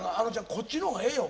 こっちのほうがええよ